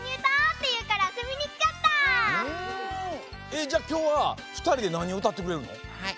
えじゃあきょうはふたりでなにをうたってくれるの？